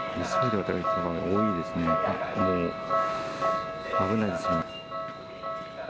あっ、もう危ないですね。